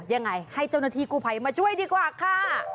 ยังไงให้เจ้าหน้าที่กู้ภัยมาช่วยดีกว่าค่ะ